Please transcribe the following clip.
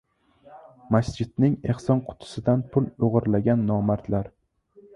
Masjidning ehson qutisidan pul o‘g‘irlagan nomardlar